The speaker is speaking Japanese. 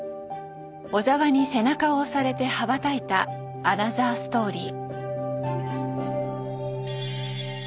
小澤に背中を押されて羽ばたいたアナザーストーリー。